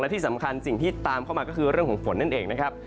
ที่สำคัญสิ่งที่ตามเข้ามาก็คือเรื่องของฝนนั่นเองนะครับ